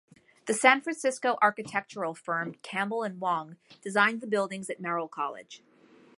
The San Francisco architectural firm Campbell and Wong designed the buildings at Merrill College.